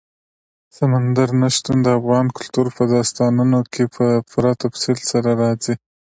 سمندر نه شتون د افغان کلتور په داستانونو کې په پوره تفصیل سره راځي.